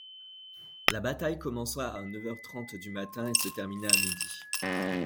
La bataille commença à neuf heures trente du matin et se termina à midi.